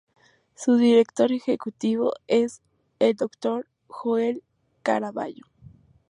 Su director ejecutivo es el Dr. Joel Caraballo.